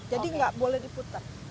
jadi tidak boleh diputer